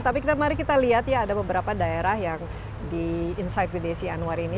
tapi mari kita lihat ya ada beberapa daerah yang di insight with desi anwar ini